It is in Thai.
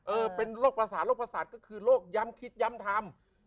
เออเป็นโรคประสาทโรคประสาทก็คือโรคย้ำคิดย้ำทำ